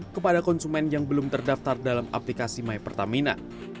kepada konsumen yang belum terdaftar dalam aplikasi mypertamina